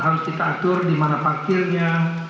harus kita atur dimana pakirnya